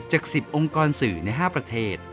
๑๐องค์กรสื่อใน๕ประเทศ